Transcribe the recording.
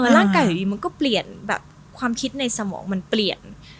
ร่างกายมันก็เปลี่ยนความคิดในสมองมันเปลี่ยน